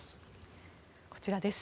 こちらです。